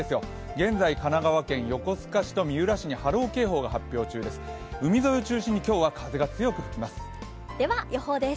現在、神奈川県横須賀市と三浦市に波浪警報が発表中です。